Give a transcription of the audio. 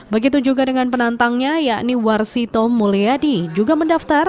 begitu juga dengan penantangnya yakni warsito mulyadi juga mendaftar